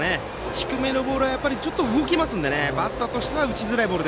低めのボールはちょっと動きますのでバッターとしては打ちづらいボール。